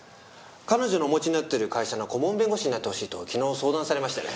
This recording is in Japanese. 彼女のお持ちになっている会社の顧問弁護士になってほしいと昨日相談されましてね。